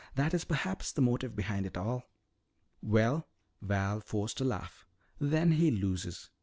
"That is perhaps the motive behind it all." "Well," Val forced a laugh, "then he loses.